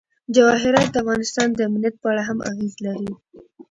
جواهرات د افغانستان د امنیت په اړه هم اغېز لري.